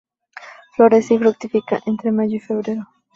Florece y fructifica entre mayo y febrero.